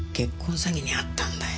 詐欺にあったんだよ。